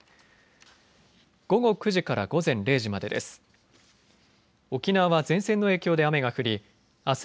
午後９時から午前０時までです。